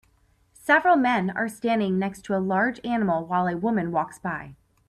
Several men are standing next to a large animal while a woman walks by.